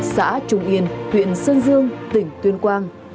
xã trung yên huyện sơn dương tỉnh tuyên quang